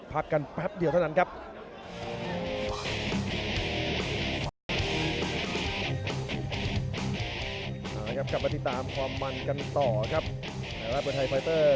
สาเตียงจะกระแทกซ้ายครับกรรมการ